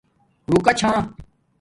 رُوکا چھا